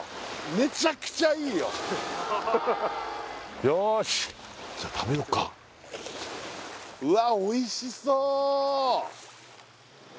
めちゃくちゃいいよよしじゃ食べよっかうわおっ！